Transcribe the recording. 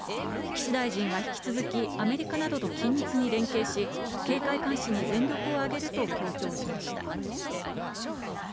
岸大臣は引き続き、アメリカなどと緊密に連携し、警戒監視に全力を挙げると強調しました。